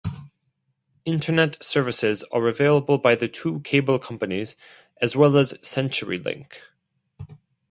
Internet services are available by the two cable companies, as well as Centurylink.